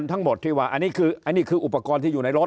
อันนี้คืออุปกรณ์ที่อยู่ในรถ